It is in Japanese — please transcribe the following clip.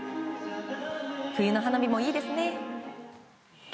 冬の花火もいいですね。